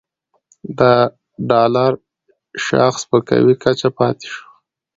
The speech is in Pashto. د ډالر شاخص په قوي کچه پاتې شو